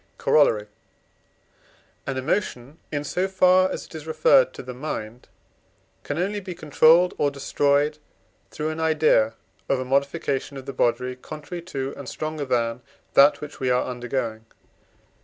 Corollary. An emotion, in so far as it is referred to the mind, can only be controlled or destroyed through an idea of a modification of the body contrary to, and stronger than, that which we are undergoing.